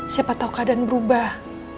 siapa tau keadaan berubah